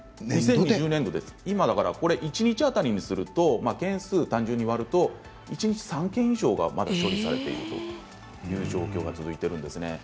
一日当たりにすると件数単純に割ると一日３件以上が処理されているという状況が続いているんですね。